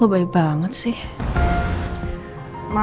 ini diaetics pani data bagaimana